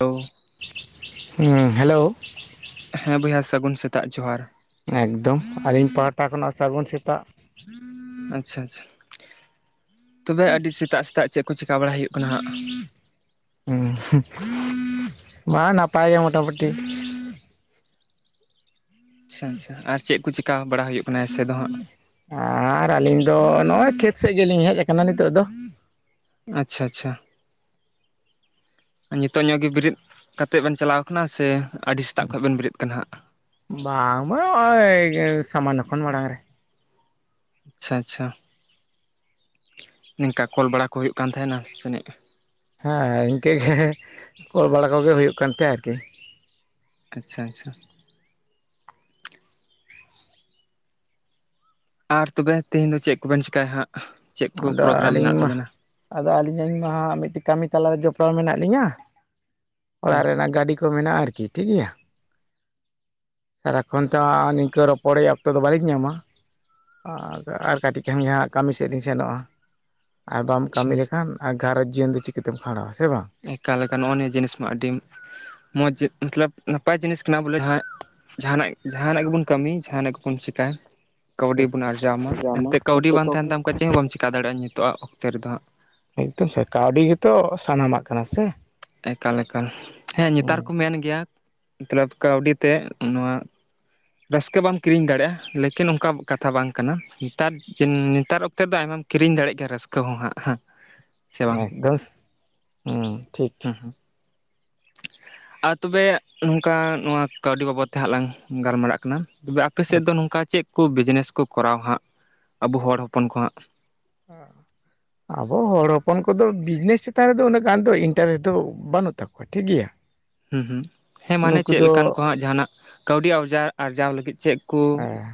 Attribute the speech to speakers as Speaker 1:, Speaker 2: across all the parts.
Speaker 1: ᱳ
Speaker 2: ᱦᱩᱸ ᱦᱮᱞᱳᱼᱼ
Speaker 1: ᱦᱮᱸ ᱵᱚᱭᱦᱟ ᱥᱟᱹᱜᱩᱱ ᱥᱮᱛᱟᱜ ᱡᱚᱦᱟᱨ᱾
Speaker 2: ᱮᱠᱫᱚᱢ ᱟᱹᱞᱤᱧ ᱯᱟᱦᱴᱟ ᱠᱷᱚᱱᱟᱜ ᱥᱟᱹᱜᱩᱱ ᱥᱮᱛᱟᱜ᱾
Speaker 1: ᱟᱪᱪᱷᱟ ᱟᱪᱪᱷᱟ ᱛᱚᱵᱮ ᱟᱹᱰᱤ ᱥᱮᱛᱟᱜ ᱥᱮᱛᱟᱜ ᱪᱮᱜ ᱠᱚ ᱪᱤᱠᱟ ᱵᱟᱲᱟᱭ ᱦᱩᱭᱩᱜ ᱠᱟᱱᱟ ᱦᱟᱸᱜ᱾
Speaker 2: ᱦᱩᱸ ᱢᱟ ᱱᱟᱯᱟᱭ ᱜᱮ ᱢᱚᱴᱟ ᱢᱩᱴᱤ᱾
Speaker 1: ᱟᱪᱪᱷᱟ ᱟᱪᱪᱷᱟ ᱟᱨ ᱪᱮᱜ ᱠᱚ ᱪᱮᱠᱟ ᱵᱟᱲᱟ ᱦᱩᱭᱩᱜ ᱠᱟᱱᱟ ᱮᱥᱮ ᱫᱚ ᱦᱟᱸᱜ᱾
Speaker 2: ᱟᱨ ᱟᱹᱞᱤᱧ ᱫᱚ ᱱᱚᱜᱼᱚᱭ ᱠᱷᱮᱛ ᱥᱮᱜ ᱜᱮᱞᱤᱧ ᱦᱮᱡ ᱟᱠᱟᱱᱟ ᱱᱤᱛᱚᱜ ᱫᱚ᱾
Speaker 1: ᱟᱪᱪᱷᱟ ᱟᱪᱪᱷᱟ᱾ ᱱᱤᱛᱚᱜ ᱧᱚᱜ ᱜᱮ ᱵᱮᱨᱮᱫ ᱠᱟᱛᱮ ᱵᱮᱱ ᱪᱟᱞᱟᱣ ᱟᱠᱟᱱᱟ ᱥᱮ ᱟᱹᱰᱤ ᱥᱮᱛᱟᱜ ᱠᱷᱚᱱ ᱵᱮᱱ ᱵᱮᱨᱮᱫ ᱠᱟᱱᱟ ᱦᱟᱸᱜ᱾
Speaker 2: ᱵᱟᱝ ᱵᱟᱝ ᱦᱚᱜ ᱚᱭ ᱥᱟᱢᱟᱱᱱᱚ ᱠᱷᱚᱱ ᱢᱟᱲᱟᱝ ᱨᱮ᱾
Speaker 1: ᱟᱪᱪᱷᱟ, ᱟᱪᱪᱷᱟ, ᱱᱤᱝᱠᱟ ᱠᱚᱞ ᱵᱟᱲᱟ ᱠᱚ ᱦᱩᱭᱩᱜ ᱠᱟᱱ ᱛᱟᱦᱮᱱᱟ ᱥᱮᱱᱤᱡ᱾
Speaker 2: ᱦᱮᱸ ᱤᱱᱠᱟᱹ ᱜᱮ ᱠᱚᱞ ᱵᱟᱲᱟ ᱠᱚᱜᱮ ᱦᱩᱭᱩᱜ ᱠᱟᱱ ᱛᱮ ᱟᱨᱠᱤ᱾
Speaker 1: ᱟᱪᱪᱷᱟ ᱟᱪᱪᱷᱟ᱾ ᱟᱨ ᱛᱚᱵᱮ ᱛᱤᱦᱮᱧ ᱫᱚ ᱪᱮᱫ ᱠᱚᱵᱮᱱ ᱪᱮᱠᱟᱹᱭᱟ ᱦᱟᱸᱜ ᱪᱮᱫ ᱠᱚ ᱯᱨᱳᱜᱨᱟᱢ ᱢᱮᱱᱟᱜ
Speaker 2: ᱢᱟ
Speaker 1: ᱛᱟᱵᱮᱱᱟ᱾
Speaker 2: ᱟᱫᱚ ᱟᱹᱞᱤᱧ ᱟᱹᱞᱤᱧ ᱢᱟ ᱦᱟᱜ ᱢᱤᱫᱴᱮᱱ ᱠᱟᱹᱢᱤ ᱛᱟᱞᱟ ᱨᱮ ᱡᱚᱯᱲᱟᱣ ᱢᱮᱱᱟᱜ ᱞᱤᱧᱟ
Speaker 1: ᱥᱮ
Speaker 2: ᱚᱲᱟᱜ ᱨᱮᱱᱟᱜ ᱜᱟᱹᱰᱤᱼᱼ ᱠᱚ ᱢᱮᱱᱟᱜ-ᱟ ᱟᱨᱠᱤ ᱴᱷᱤᱠ ᱜᱮᱭᱟ᱾ ᱥᱟᱨᱟ ᱠᱷᱚᱱ ᱛᱚ ᱱᱤᱝᱠᱟᱹ ᱨᱚᱯᱚᱲ ᱨᱮᱭᱟᱜ ᱚᱠᱛᱚ ᱫᱚ ᱵᱟᱹᱞᱤᱧ ᱧᱟᱢᱟ᱾ ᱟᱨ ᱟᱨ ᱠᱟᱹᱴᱤᱡ ᱠᱷᱟᱱ ᱜᱮ ᱦᱟᱸᱜ ᱠᱟᱹᱢᱤ ᱥᱮᱫ ᱞᱤᱧ ᱥᱮᱱᱚᱜᱼᱟ᱾ ᱟᱨ ᱵᱟᱢ
Speaker 1: ᱟᱪᱪᱷᱟ
Speaker 2: ᱠᱟᱹᱢᱤ ᱞᱮᱠᱷᱟᱱ ᱟᱨ ᱜᱷᱟᱨᱚᱧᱡᱽ ᱡᱤᱭᱚᱱ ᱫᱚ ᱪᱤᱠᱟᱹᱛᱮᱢ ᱠᱷᱟᱸᱰᱟᱣᱟ ᱥᱮ ᱵᱟᱝ?
Speaker 1: ᱮᱠᱟᱞ ᱮᱠᱟᱞ ᱱᱚᱜᱼᱚ ᱱᱤᱭᱟᱹ ᱡᱤᱱᱤᱥ ᱢᱟ ᱟᱹᱰᱤ ᱢᱚᱡᱽ ᱢᱟᱛᱞᱟᱹᱵ ᱱᱟᱯᱟᱭ ᱡᱤᱱᱤᱥ ᱠᱟᱱᱟ ᱵᱚᱞᱮ ᱡᱟᱦᱟᱸ᱾ ᱡᱟᱦᱟᱱᱟᱜ ᱡᱟᱦᱟᱱᱟᱜ ᱜᱮᱵᱚᱱ ᱠᱟᱹᱢᱤ ᱡᱟᱦᱟᱱᱟᱜ ᱜᱮᱵᱚᱱ ᱪᱤᱠᱟᱭᱼᱼ ᱠᱟᱹᱣᱰᱤ
Speaker 2: ᱴᱷᱤᱠ
Speaker 1: ᱵᱚᱱ ᱟᱨᱡᱟᱣᱢᱟ ᱮᱱᱛᱮᱫ ᱠᱟᱹᱣᱰᱤ ᱵᱟᱝ ᱛᱟᱦᱮᱱ ᱛᱟᱢ ᱠᱷᱟᱡ ᱪᱮᱫ ᱦᱚᱸ ᱵᱟᱢ ᱪᱮᱠᱟ ᱫᱟᱲᱮᱭᱟᱜᱼᱟ ᱱᱤᱛᱚᱜᱼᱟ ᱚᱠᱛᱮ ᱨᱮᱫᱚ ᱦᱟᱸᱜ᱾
Speaker 2: ᱢᱤᱫᱫᱚᱢ ᱥᱮ ᱠᱟᱹᱣᱰᱤ ᱜᱮᱛᱚ ᱥᱟᱱᱟᱢᱟᱜ ᱠᱟᱱᱟ ᱥᱮ?
Speaker 1: ᱮᱠᱟᱞ ᱮᱠᱟᱞ ᱦᱮᱸ ᱱᱮᱛᱟᱨ
Speaker 2: ᱦᱩᱸ
Speaker 1: ᱠᱚ ᱢᱮᱱ ᱜᱮᱭᱟ ᱢᱟᱹᱛᱞᱟᱹᱵ ᱠᱟᱹᱣᱰᱤ ᱛᱮ ᱱᱚᱣᱟᱼᱼ ᱨᱟᱹᱥᱠᱟᱹ ᱵᱟᱢ ᱠᱤᱨᱤᱧ ᱫᱟᱲᱮᱭᱟᱜ-ᱟ ᱞᱮᱠᱤᱱ ᱚᱱᱠᱟ ᱠᱟᱛᱷᱟ ᱵᱟᱝ ᱠᱟᱱᱟ ᱱᱮᱛᱟᱨᱼᱼ ᱪᱤᱱ ᱱᱮᱛᱟᱨ ᱚᱠᱛᱮ ᱫᱚ ᱟᱭᱢᱟᱢ ᱠᱤᱨᱤᱧ ᱫᱟᱲᱮᱜ ᱜᱮᱭᱟ ᱨᱟᱹᱥᱠᱟᱹ ᱦᱚᱸ ᱦᱟᱸᱜ᱾ ᱥᱮ ᱵᱟᱝ
Speaker 2: ᱮᱠᱫᱚᱢ ᱦᱩᱸ ᱴᱷᱤᱠ᱾
Speaker 1: ᱦᱮᱸ ᱦᱮᱸ ᱟᱨ ᱛᱚᱵᱮ ᱱᱚᱝᱠᱟ ᱱᱚᱣᱟ ᱠᱟᱹᱣᱰᱤ ᱵᱟᱵᱚᱫ ᱛᱮ ᱦᱟᱸᱜ ᱞᱟᱝ ᱜᱟᱞᱢᱟᱨᱟᱜ ᱠᱟᱱᱟ᱾ ᱛᱚᱵᱮ ᱟᱯᱮ ᱥᱮᱫ ᱫᱚ ᱱᱚᱝᱠᱟ ᱪᱮᱫ ᱠᱚ ᱵᱤᱡᱽᱱᱮᱥ ᱠᱚ ᱠᱚᱨᱟᱣ ᱦᱟᱸᱜ ᱟᱵᱚ ᱦᱚᱲ ᱦᱚᱯᱚᱱ ᱠᱚ ᱦᱟᱸᱜ᱾
Speaker 2: ᱚᱸ ᱟᱵᱚ ᱦᱚᱲ ᱦᱚᱯᱚᱱ ᱠᱚᱫᱚ ᱵᱤᱡᱽᱱᱮᱥ ᱪᱮᱛᱟᱱ ᱨᱮᱫᱚ ᱩᱱᱟᱹᱜ ᱜᱟᱱ ᱫᱚ ᱤᱱᱴᱟᱨᱮᱥᱴ ᱫᱚ ᱵᱟᱹᱱᱩᱜ ᱛᱟᱠᱚᱣᱟ᱾ ᱴᱷᱤᱠ ᱜᱮᱭᱟ᱾
Speaker 1: ᱦᱩᱸ ᱦᱩᱸ ᱦᱮᱸ ᱢᱟᱱᱮ
Speaker 2: ᱱᱩᱠᱩ
Speaker 1: ᱪᱮᱫ
Speaker 2: ᱫᱚ
Speaker 1: ᱞᱮᱠᱟᱱ ᱠᱚ ᱦᱟᱜ ᱡᱟᱦᱟᱱᱟᱜ᱾ ᱠᱟᱹᱣᱰᱤ ᱟᱨᱡᱟ ᱟᱨᱡᱟᱣ ᱞᱟᱹᱜᱤᱫ ᱪᱮᱫ ᱠᱚ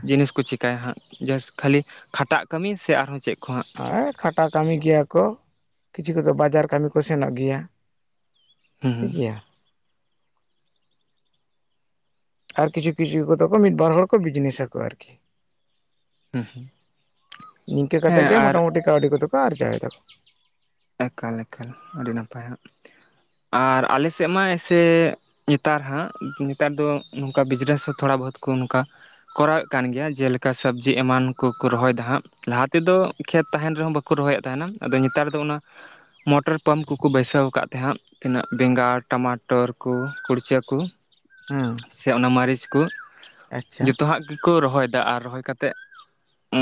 Speaker 1: ᱡᱤᱱᱤᱥ ᱠᱚ ᱪᱤᱠᱼᱼ ᱪᱤᱠᱟᱭᱟ ᱦᱟᱸᱜ ᱡᱟᱥ ᱠᱷᱟᱹᱞᱤ ᱠᱷᱟᱴᱟᱜ ᱠᱟᱹᱢᱤ ᱥᱮ ᱟᱨᱦᱚᱸ ᱪᱮᱫ ᱠᱚ ᱦᱟᱸᱜ?
Speaker 2: ᱦᱮᱸ ᱠᱷᱟᱴᱟ ᱠᱟᱹᱢᱤ ᱜᱮᱭᱟ ᱠᱚ ᱠᱤᱪᱷᱩ ᱠᱚᱫᱚ ᱵᱟᱡᱟᱨ ᱠᱟᱹᱢᱤ ᱠᱚ ᱥᱮᱱᱚᱜ ᱜᱮᱭᱟ᱾
Speaker 1: ᱦᱩᱸ
Speaker 2: ᱴᱷᱤᱠ
Speaker 1: ᱦᱩᱸ
Speaker 2: ᱜᱮᱭᱟ ᱟᱨ ᱠᱤᱪᱷᱩ ᱠᱤᱪᱷᱩ ᱠᱚᱫᱚ ᱠᱚ ᱢᱤᱫ ᱵᱟᱨ ᱦᱚᱲ ᱠᱚ ᱵᱤᱡᱽᱱᱮᱥ ᱟᱠᱠᱚ ᱟᱨᱠᱤ
Speaker 1: ᱦᱩᱸ
Speaker 2: ᱱᱤᱝᱠᱟᱹ ᱠᱟᱛᱮ
Speaker 1: ᱦᱮᱸ
Speaker 2: ᱜᱮ
Speaker 1: ᱟᱨ
Speaker 2: ᱢᱚᱴᱟ ᱢᱩᱴᱤ ᱠᱟᱹᱣᱰᱤ ᱠᱚᱫᱚ ᱠᱚ ᱟᱨᱡᱟᱣ ᱮᱫᱟ᱾
Speaker 1: ᱮᱠᱟᱞ ᱮᱠᱟᱞ ᱟᱹᱰᱤ ᱱᱟᱯᱟᱭ ᱦᱟᱜ ᱟᱨ ᱟᱞᱮ ᱥᱮᱫ ᱢᱟ ᱮᱸᱥᱮᱼᱼ ᱱᱮᱛᱟᱨ ᱦᱟᱸᱜ ᱱᱮᱛᱟᱨ ᱫᱚ ᱱᱚᱝᱠᱟ ᱵᱤᱡᱽᱱᱮᱥ ᱦᱚᱸ ᱛᱷᱚᱲᱟ ᱵᱚᱦᱩᱛ ᱠᱚ ᱱᱚᱝᱠᱟ᱾ ᱠᱚᱨᱟᱣᱮᱫ ᱠᱟᱱ ᱜᱮᱭᱟ ᱡᱮᱞᱮᱠᱟ ᱥᱚᱵᱽᱡᱤ ᱮᱢᱟᱱ ᱠᱚᱠᱚ ᱨᱚᱦᱚᱭᱮᱫᱟ ᱦᱟᱸᱜ᱾ ᱞᱟᱦᱟ ᱛᱮᱫᱚ ᱠᱷᱮᱛ ᱛᱟᱦᱮᱱ ᱨᱮᱦᱚᱸ ᱵᱟᱠᱚ ᱨᱚᱦᱚᱭᱮᱫ ᱛᱟᱦᱮᱱᱟ, ᱟᱫᱚ ᱱᱮᱛᱟᱨ ᱫᱚ ᱚᱱᱟ ᱢᱚᱴᱚᱨ ᱯᱟᱢᱯ ᱠᱚᱠᱚ ᱵᱟᱹᱭᱥᱟᱹᱣ ᱟᱠᱟᱫ ᱛᱮᱦᱟᱜ ᱛᱤᱱᱟᱹᱜ ᱵᱮᱸᱜᱟᱲ ᱴᱟᱢᱟᱴᱚᱨ ᱠᱚ ᱠᱩᱲᱪᱟᱹ ᱠᱚ
Speaker 2: ᱦᱩᱸ
Speaker 1: ᱥᱮ ᱚᱱᱟ ᱢᱟᱹᱨᱤᱪ ᱠᱚ
Speaker 2: ᱟᱪᱪᱷᱟ
Speaker 1: ᱡᱚᱛᱚᱣᱟᱜ ᱜᱮᱠᱚ ᱨᱚᱦᱚᱭ ᱫᱟ ᱟᱨ ᱨᱚᱦᱚᱭ ᱠᱟᱛᱮᱫ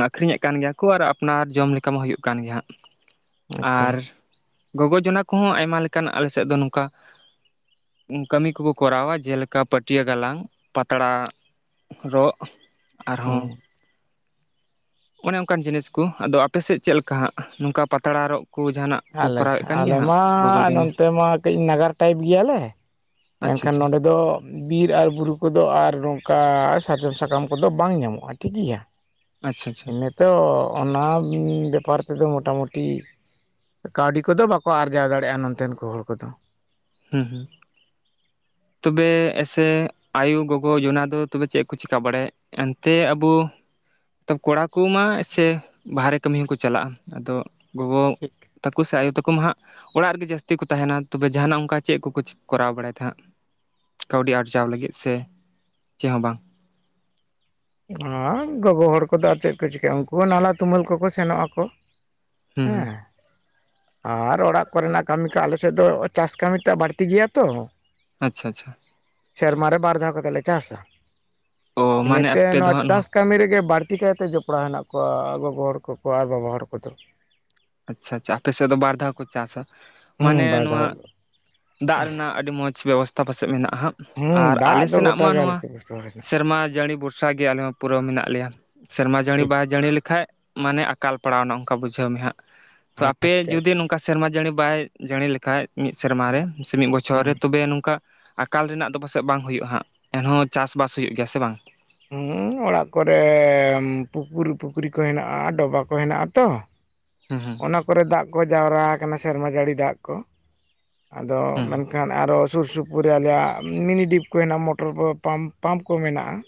Speaker 1: ᱟᱠᱷᱨᱤᱧ ᱮᱫ ᱠᱟᱱ ᱜᱮᱭᱟ ᱠᱚ ᱟᱨ ᱟᱯᱱᱟᱨ ᱡᱚᱢ ᱞᱮᱠᱟ ᱢᱟ ᱦᱩᱭᱜ ᱠᱟᱱ ᱜᱮᱭᱟ ᱦᱟᱸᱜ᱾
Speaker 2: ᱮᱠᱫᱚᱢ
Speaker 1: ᱟᱨ ᱜᱚᱜᱚ ᱡᱚᱱᱟ ᱠᱚᱦᱚᱸ ᱟᱭᱢᱟ ᱞᱮᱠᱟᱱ ᱟᱞᱮ ᱥᱮᱫ ᱫᱚ ᱱᱚᱝᱠᱟ ᱠᱟᱹᱢᱤ ᱠᱚᱠᱚ ᱠᱚᱨᱟᱣᱟ ᱡᱮᱞᱮᱠᱟ ᱯᱟᱹᱴᱭᱟᱹ ᱜᱟᱞᱟᱝ ᱯᱟᱛᱲᱟ ᱨᱚᱜ
Speaker 2: ᱦᱩᱸ
Speaker 1: ᱟᱨᱦᱚᱸ ᱚᱱᱮ ᱚᱱᱠᱟᱱ ᱡᱤᱱᱤᱥ ᱠᱚ ᱟᱫᱚ ᱟᱯᱮ ᱥᱮᱫ ᱪᱮᱫ ᱞᱮᱠᱟ ᱦᱟᱜ ᱱᱚᱝᱠᱟ ᱯᱟᱛᱲᱟ ᱨᱚᱜ ᱠᱚ ᱡᱟᱦᱟᱱᱟᱜ ᱠᱚ
Speaker 2: ᱟᱞᱮ
Speaker 1: ᱠᱚᱨᱟᱣᱮᱫ
Speaker 2: ᱥᱮ
Speaker 1: ᱠᱟᱱ ᱜᱮᱭᱟ
Speaker 2: ᱟᱞᱮ
Speaker 1: ᱦᱟᱸᱜ
Speaker 2: ᱢᱟ
Speaker 1: ᱜᱚᱜᱚ ᱡᱚᱱᱟ
Speaker 2: ᱱᱚᱱᱛᱮ ᱢᱟ ᱠᱟᱹᱡ ᱱᱟᱜᱟᱨ ᱴᱟᱭᱤᱯ ᱜᱮᱭᱟᱞᱮ᱾
Speaker 1: ᱟᱪᱪᱷᱟ
Speaker 2: ᱮᱱᱠᱷᱟᱱ
Speaker 1: ᱟᱪᱪᱷᱟ
Speaker 2: ᱱᱚᱸᱰᱮ ᱫᱚ ᱵᱤᱨ ᱟᱨ ᱵᱩᱨᱩ ᱠᱚᱫᱚ ᱟᱨ ᱱᱚᱝᱠᱟ ᱥᱟᱨᱡᱚᱢ ᱥᱟᱠᱟᱢ ᱠᱚᱫᱚ ᱵᱟᱝ ᱧᱟᱢᱚᱜ-ᱟ ᱴᱷᱤᱠ ᱜᱮᱭᱟ᱾
Speaker 1: ᱟᱪᱪᱷᱟ ᱟᱪᱪᱷᱟ,
Speaker 2: ᱛᱚ ᱚᱱᱟ ᱵᱮᱯᱟᱨ ᱛᱮᱫᱚ ᱢᱚᱴᱟ ᱢᱩᱴᱤ ᱠᱟᱹᱣᱰᱤ ᱠᱚᱫᱚ ᱵᱟᱠᱚ ᱟᱨᱡᱟᱣ ᱫᱟᱲᱮᱭᱟᱜ-ᱟ ᱱᱚᱛᱮᱱ ᱠᱚ ᱦᱚᱲ ᱠᱚᱫᱚ᱾
Speaker 1: ᱦᱩᱸ ᱦᱩᱸ ᱛᱚᱵᱮ ᱮᱥᱮ ᱟᱭᱳ ᱜᱚᱜᱚ ᱡᱚᱱᱟ ᱫᱚ ᱛᱚᱵᱮ ᱪᱮᱫ ᱠᱚ ᱪᱮᱠᱟ ᱵᱟᱲᱟᱭᱮᱜ? ᱮᱱᱛᱮ ᱟᱵᱚ, ᱠᱚᱲᱟ ᱠᱚᱢᱟ ᱮᱥᱮ ᱵᱟᱦᱨᱮ ᱠᱟᱹᱢᱤ ᱦᱚᱸᱠᱚ ᱪᱟᱞᱟᱜᱼᱟ ᱟᱫᱚ ᱜᱚᱜᱚ
Speaker 2: ᱴᱷᱤᱠ
Speaker 1: ᱛᱟᱠᱚ ᱥᱮ ᱟᱭᱳ ᱛᱟᱠᱚ ᱢᱟ ᱦᱟᱸᱜ ᱚᱲᱟᱜ ᱨᱮᱜᱮ ᱡᱟᱹᱥᱛᱤ ᱠᱚ ᱛᱟᱦᱮᱱᱟ ᱛᱚᱵᱮ ᱡᱟᱦᱟᱱᱟᱜ ᱚᱱᱠᱟ ᱪᱮᱫ ᱠᱚᱠᱚ ᱪᱮ ᱠᱚᱨᱟᱣ ᱵᱟᱲᱟᱭ ᱛᱮ ᱦᱟᱸᱜ? ᱠᱟᱹᱣᱰᱤ ᱟᱨᱡᱟᱣ ᱞᱟᱹᱜᱤᱫ ᱥᱮ ᱪᱮᱫ ᱦᱚᱸ ᱵᱟᱝ?
Speaker 2: ᱚ ᱜᱚᱜᱚ ᱦᱚᱲ ᱠᱚᱫᱚ ᱟᱨ ᱪᱮᱫ ᱠᱚ ᱪᱤᱠᱟᱭᱟ ᱩᱱᱠᱩ ᱱᱟᱞᱦᱟ ᱛᱩᱢᱟᱹᱞ ᱠᱚᱠᱚ ᱥᱮᱱᱚᱜ ᱟᱠᱚ ᱾
Speaker 1: ᱦᱩᱸ ᱦᱩᱸ
Speaker 2: ᱦᱮᱸ ᱟᱨ ᱚᱲᱟᱜ ᱠᱚᱨᱮᱱᱟᱜ ᱠᱟᱹᱢᱤ ᱠᱚ ᱟᱞᱮ ᱥᱮᱫ ᱫᱚ ᱪᱟᱥ ᱠᱟᱹᱢᱤ ᱴᱟᱜ ᱵᱟᱹᱲᱛᱤ ᱜᱮᱭᱟ ᱛᱚ ᱾
Speaker 1: ᱟᱪᱪᱷᱟ ᱟᱪᱪᱷᱟ,
Speaker 2: ᱥᱮᱨᱢᱟ ᱨᱮ ᱵᱟᱨ ᱫᱷᱟᱣ ᱠᱟᱛᱮ ᱞᱮ ᱪᱟᱥᱟ ᱾
Speaker 1: ᱚ ᱢᱟᱱᱮ ᱫᱚ
Speaker 2: ᱱᱚᱣᱟ
Speaker 1: ᱦᱟᱸᱜ
Speaker 2: ᱪᱟᱥ ᱠᱟᱹᱢᱤ ᱨᱮᱜᱮ ᱵᱟᱹᱲᱛᱤ ᱠᱟᱭᱛᱮ ᱡᱚᱯᱲᱟᱣ ᱦᱮᱱᱟᱜ ᱠᱚᱣᱟ ᱜᱚᱜᱚ ᱦᱚᱲ ᱠᱚᱠᱚ ᱟᱨ ᱵᱟᱵᱟ ᱦᱚᱲ ᱠᱚᱫᱚ ᱾
Speaker 1: ᱟᱪᱪᱷᱟ ᱟᱪᱪᱷᱟ, ᱟᱯᱮ ᱥᱮᱫ ᱫᱚ ᱵᱟᱨ ᱫᱷᱟᱣ ᱠᱚ ᱪᱟᱥᱟ ᱢᱟᱱᱮ
Speaker 2: ᱦᱩᱸ ᱵᱟᱭ
Speaker 1: ᱱᱚᱣᱟ
Speaker 2: ᱫᱟᱜ
Speaker 1: ᱫᱟᱜ ᱨᱮᱱᱟᱜ ᱟᱹᱰᱤ ᱢᱚᱸᱡᱽ ᱵᱮᱵᱚᱥᱛᱷᱟ ᱯᱟᱥᱮᱡ ᱢᱮᱱᱟᱜᱼᱟ ᱦᱟᱸᱜ, ᱟᱨ
Speaker 2: ᱦᱩᱸ
Speaker 1: ᱟᱞᱮ
Speaker 2: ᱫᱟᱜ ᱫᱚ
Speaker 1: ᱥᱮᱱᱟᱜ ᱢᱟ
Speaker 2: ᱜᱚᱴᱟ ᱜᱮ ᱟᱞᱮ
Speaker 1: ᱱᱚᱣᱟ
Speaker 2: ᱥᱮᱫ ᱫᱚ
Speaker 1: ᱥᱮᱨᱢᱟ ᱡᱟᱹᱲᱤ ᱵᱷᱚᱨᱥᱟ ᱜᱮ ᱟᱞᱮᱢᱟ ᱯᱩᱨᱟᱹ ᱢᱮᱱᱟᱜ ᱯᱮᱭᱟ ᱥᱮᱨᱢᱟ ᱡᱟᱹᱲᱤ
Speaker 2: ᱴᱷᱤᱠ
Speaker 1: ᱵᱟᱭ ᱡᱟᱹᱲᱤ ᱞᱮᱠᱷᱟᱡ ᱢᱟᱱᱮ ᱟᱠᱟᱞ ᱯᱟᱲᱟᱣ ᱱᱟ ᱚᱱᱠᱟ ᱵᱩᱡᱷᱟᱹᱣ ᱢᱮ ᱦᱟᱸᱜ᱾ ᱛᱚ ᱟᱯᱮ
Speaker 2: ᱟᱪᱪᱷᱟ
Speaker 1: ᱡᱩᱫᱤ
Speaker 2: ᱟᱪᱪᱷᱟ
Speaker 1: ᱱᱚᱝᱠᱟ ᱥᱮᱨᱢᱟ ᱡᱟᱹᱲᱤ ᱵᱟᱭ ᱡᱟᱹᱲᱤ ᱞᱮᱠᱷᱟᱡ ᱢᱤᱫ ᱥᱮᱨᱢᱟ ᱨᱮ ᱥᱮ ᱢᱤᱫ ᱵᱚᱪᱷᱚᱨ ᱨᱮ
Speaker 2: ᱦᱩᱸ
Speaker 1: ᱛᱚᱵᱮ ᱱᱚᱝᱠᱟ ᱟᱠᱟᱞ ᱨᱮᱱᱟᱜ ᱫᱚ ᱯᱟᱥᱮᱡ ᱵᱟᱝ ᱦᱩᱭᱩᱜ ᱦᱟᱜ ᱮᱱᱦᱚᱸ ᱪᱟᱥᱵᱟᱥ ᱦᱩᱭᱩᱜ ᱜᱮᱭᱟ ᱥᱮ ᱵᱟᱝ?
Speaker 2: ᱦᱩᱸ ᱚᱲᱟᱜ ᱠᱚᱨᱮ ᱯᱩᱠᱩᱨ ᱯᱩᱠᱷᱨᱤ ᱠᱚ ᱦᱮᱱᱟᱜᱼᱟ ᱰᱚᱵᱟ ᱠᱚ ᱦᱮᱱᱟᱜᱼᱟ ᱛᱚ᱾
Speaker 1: ᱦᱩᱸ ᱦᱩᱸ
Speaker 2: ᱚᱱᱟ ᱠᱚᱨᱮ ᱫᱟᱜ ᱠᱚ ᱡᱟᱣᱨᱟ ᱟᱠᱟᱱᱟ ᱥᱮᱨᱢᱟ ᱡᱟᱹᱲᱤ ᱫᱟᱜ ᱠᱚ, ᱟᱫᱚ
Speaker 1: ᱦᱩᱸ
Speaker 2: ᱢᱮᱱ ᱠᱷᱟᱱ ᱟᱨᱚ ᱥᱩᱨ ᱥᱩᱯᱩᱨ ᱨᱮ ᱟᱞᱮᱭᱟᱜ ᱢᱤᱱᱤ ᱰᱤᱯ ᱠᱚ ᱦᱮᱱᱟᱜᱼᱟ ᱢᱚᱴᱚᱨ ᱯᱟᱢ ᱯᱟᱢᱯ ᱠᱚ ᱢᱮᱱᱟᱜᱼᱟ ᱾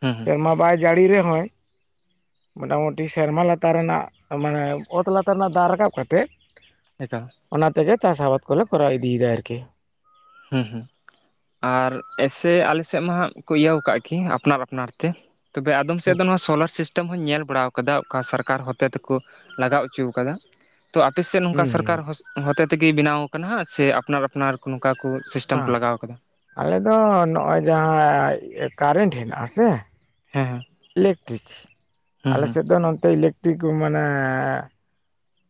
Speaker 1: ᱦᱩᱸ ᱦᱩᱸ
Speaker 2: ᱥᱮᱨᱢᱟ ᱵᱟᱭ ᱡᱟᱹᱲᱤ ᱨᱮᱦᱚᱸᱭ ᱢᱚᱴᱟ ᱢᱩᱩᱴᱤ ᱥᱮᱨᱢᱟ ᱞᱟᱛᱟᱨ ᱨᱮᱱᱟᱜ ᱢᱟᱱᱮ ᱚᱛ ᱞᱟᱛᱟᱨ ᱨᱮᱱᱟᱜ ᱫᱟᱜ ᱨᱟᱠᱟᱵ ᱠᱟᱛᱮᱫ
Speaker 1: [unintelligible]
Speaker 2: ᱚᱱᱟ ᱛᱮᱜᱮ ᱪᱟᱥ ᱟᱵᱟᱫᱽ ᱠᱚᱞᱮ ᱠᱚᱨᱟᱣ ᱤᱫᱤᱭᱮᱫᱟ ᱟᱨᱠᱤ ᱾
Speaker 1: ᱦᱩᱸ ᱦᱩᱸ ᱟᱨ ᱮᱥᱮ ᱟᱞᱮ ᱥᱮᱫ ᱢᱟ ᱦᱟᱸᱜ ᱠᱚ ᱤᱭᱟᱹᱣ ᱠᱟᱜ ᱠᱤ ᱟᱯᱱᱟᱨ ᱟᱯᱱᱟᱨ ᱛᱮ ᱛᱚᱵᱮ ᱟᱫᱚᱢ ᱥᱮᱫ ᱫᱚ ᱱᱚᱣᱟ ᱥᱳᱞᱟᱨ ᱥᱤᱥᱴ [inaudible] ᱦᱚᱧ ᱧᱮᱞ ᱵᱟᱲᱟ ᱟᱠᱟᱫᱟ ᱚᱠᱟ ᱥᱚᱨᱠᱟᱨ ᱦᱚᱛᱮ ᱛᱮᱠᱚ ᱞᱟᱜᱟᱣ ᱦᱚᱪᱚᱣ ᱠᱟᱫᱟ, ᱛᱚ ᱟᱯᱮ ᱥᱮᱫ ᱱᱚᱝᱠᱟ ᱥᱚᱨᱠᱟᱨ
Speaker 2: ᱦᱩᱸ
Speaker 1: ᱦᱚᱛᱮ ᱛᱮᱜᱮ ᱵᱮᱱᱟᱣ ᱠᱟᱱᱟ ᱦᱟᱜ ᱥᱮ ᱟᱯᱱᱟᱨ ᱟᱯᱱᱟᱨ ᱠᱚ ᱱᱚᱝᱠᱟ ᱠᱚ ᱥᱤᱥᱴᱮᱢ ᱠᱚ
Speaker 2: ᱵᱟᱝ
Speaker 1: ᱞᱟᱜᱟᱣ ᱠᱟᱫᱟ?
Speaker 2: ᱟᱞᱮ ᱫᱚ ᱱᱚᱜ-ᱚᱭ ᱡᱟᱦᱟᱸ ᱮᱸ ᱠᱟᱨᱮᱱᱴ ᱦᱮᱱᱟᱜ ᱟᱥᱮ
Speaker 1: ᱦᱮᱸ ᱦᱮᱸ
Speaker 2: ᱤᱞᱮᱠᱴᱨᱤᱠ
Speaker 1: ᱦᱩᱸ
Speaker 2: ᱟᱞᱮ
Speaker 1: ᱦᱩᱸ
Speaker 2: ᱥᱮᱫ ᱫᱚ ᱱᱚᱛᱮ ᱤᱞᱮᱠ ᱴᱨᱤᱠ ᱢᱟᱱᱮ ᱮᱸᱻ